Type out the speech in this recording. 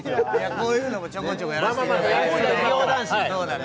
こういうのもちょこちょこやらせていただいてるね